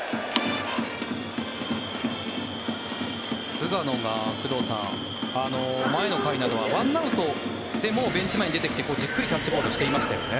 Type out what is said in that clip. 菅野が工藤さん前の回などは１アウトでもうベンチ前に出てきてじっくりキャッチボールしてましたよね。